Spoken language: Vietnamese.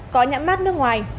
có nhãn mắt nước ngoài